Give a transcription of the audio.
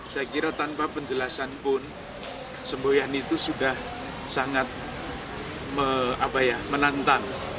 saya kira tanpa penjelasan pun semboyan itu sudah sangat menantang